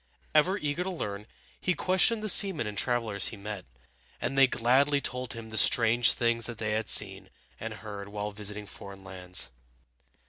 Ever eager to learn, he questioned the seamen and travelers he met, and they gladly told him the strange things they had seen and heard while visiting foreign lands.